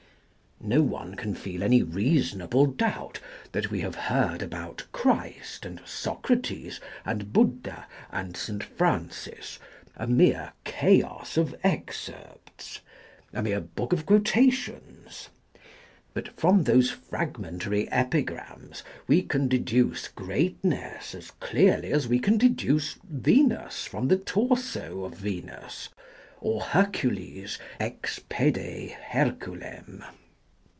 No one can feel any reasonable doubt that we have heard about Christ and Soc rates and Buddha and St. Francis a mere chaos of excerpts, a mere book of quota tions. But from those fragmentary epi grams we can deduce greatness as clearly as we can deduce Venus from the torso of Venus or Hercules ex pede Herculem.